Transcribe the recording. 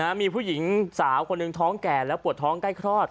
มีผู้หญิงสาวคนหนึ่งท้องแก่แล้วปวดท้องใกล้คลอด